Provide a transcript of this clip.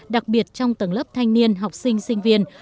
đặc biệt trong tầng lớp thanh niên học sinh sinh viên